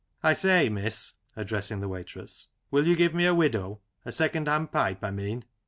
" I say, miss (addressing the "waitress), will you give me a widow— a second hand pipe, I mean?